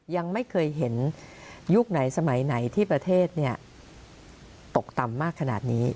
ยังไม่เคยเห็นยุคไหนสมัยไหนที่ประเทศตกต่ำมากขนาดนี้